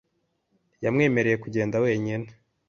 Yamwemereye kugenda wenyine .